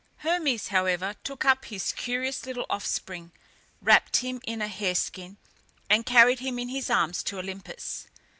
Hermes, however, took up his curious little offspring, wrapt him in a hare skin, and carried him in his arms to Olympus.